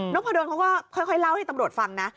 พะดนเขาก็ค่อยเล่าให้ตำรวจฟังนะ